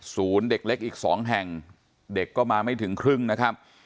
เด็กเล็กอีกสองแห่งเด็กก็มาไม่ถึงครึ่งนะครับ